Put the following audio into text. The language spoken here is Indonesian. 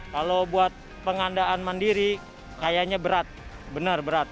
kalau buat pengadaan mandiri kayanya berat benar berat